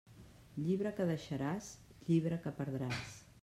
Llibre que deixaràs, llibre que perdràs.